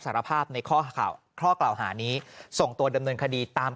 สารภาพในข้อข่าวข้อกล่าวหานี้ส่งตัวดำเนินคดีตาม